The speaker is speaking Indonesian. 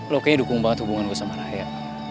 lo kayaknya dukung banget hubungan gue sama rakyat